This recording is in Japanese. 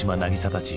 たち